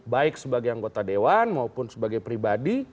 baik sebagai anggota dewan maupun sebagai pribadi